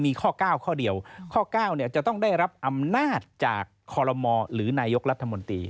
มีข้อ๙ข้อเดียวข้อ๙จะต้องได้รับอำนาจจากคอลโลมหรือนายกรัฐมนตรี